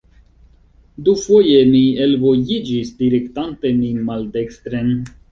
Dufoje mi elvojiĝis, direktante min maldekstren.